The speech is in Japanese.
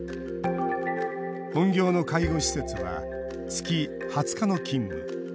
本業の介護施設は月２０日の勤務。